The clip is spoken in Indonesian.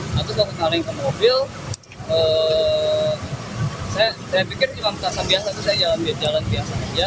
lalu setelah menyalakan ke mobil saya pikir cuma perasaan biasa saya jalan jalan biasa